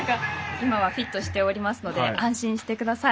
今はフィットしておりますので安心してください。